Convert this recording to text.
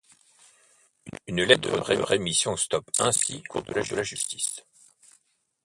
Une lettre de rémission stoppe ainsi le cours de la justice.